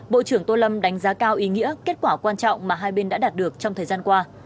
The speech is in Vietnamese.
bộ trưởng tô lâm đánh giá cao ý nghĩa kết quả quan trọng mà hai bên đã đạt được trong thời gian qua